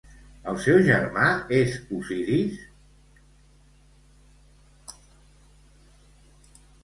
El seu germà és Osiris?